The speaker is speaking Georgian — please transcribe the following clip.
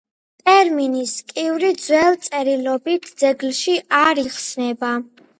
ტერმინი „სკივრი“ ძველ წერილობით ძეგლებში არ იხსენიება.